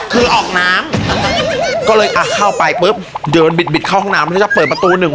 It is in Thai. คือออกน้ำก็เลยอ่ะเข้าไปปุ๊บเดินบิดบิดเข้าห้องน้ำแล้วจะเปิดประตูหนึ่ง